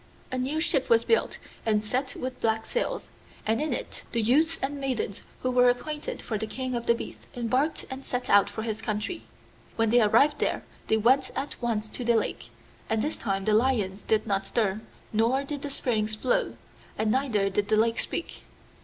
A new ship was built, and set with black sails, and in it the youths and maidens who were appointed for the king of the beasts embarked and set out for his country. When they arrived there they went at once to the Lake, and this time the lions did not stir, nor did the springs flow, and neither did the Lake speak.